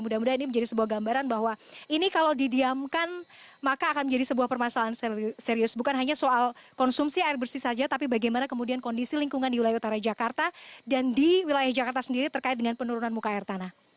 mudah mudahan ini menjadi sebuah gambaran bahwa ini kalau didiamkan maka akan menjadi sebuah permasalahan serius bukan hanya soal konsumsi air bersih saja tapi bagaimana kemudian kondisi lingkungan di wilayah utara jakarta dan di wilayah jakarta sendiri terkait dengan penurunan muka air tanah